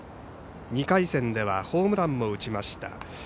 ２回戦ではホームランも打ちました。